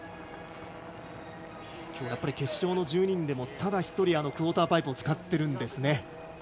今日決勝の１２人でもただ１人クオーターパイプを使っているんですね。